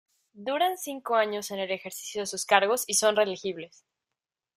Duran cinco años en el ejercicio de sus cargos y son reelegibles.